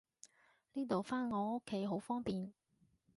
呢度返我屋企好方便